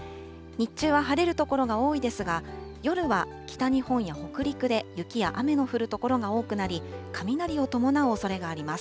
日中は晴れる所が多いですが、夜は北日本や北陸で雪や雨の降る所が多くなり、雷を伴うおそれがあります。